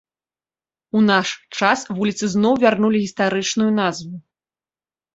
У наш час вуліцы зноў вярнулі гістарычную назву.